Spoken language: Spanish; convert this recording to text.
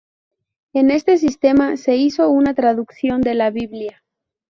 En este sistema se hizo una traducción de la Biblia.